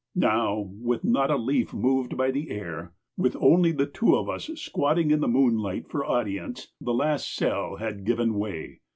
Now, with not a leaf moved by the air, with only the two of us squatting in the moonlight for audience, the last cell had given way.